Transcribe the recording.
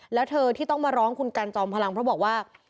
แล้วเธอที่ต้องมาร้องคุณกันจอมพลังเพราะบอกว่า